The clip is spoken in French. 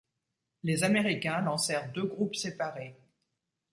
Les Américains lancèrent deux groupes séparés.